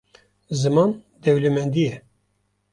Ziman dewlemendî ye.